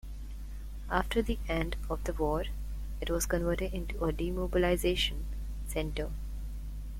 After the end of the war, it was converted into a demobilization center.